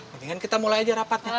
mendingan kita mulai aja rapatnya